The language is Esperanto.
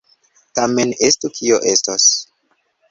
Tamen estu, kio estos!